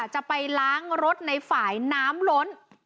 จะไปล้างรถในฝ่ายน้ำล้น